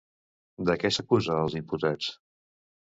De què s'acusa els imputats?